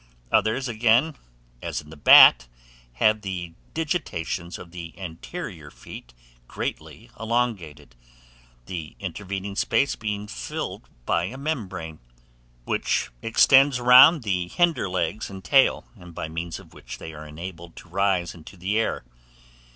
Others, again, as in the Bat, have the digitations of the anterior feet greatly elongated, the intervening space being filled by a membrane, which extends round the hinder legs and tail, and by means of which they are enabled to rise into the air.